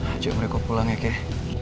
ajak mereka pulang ya kei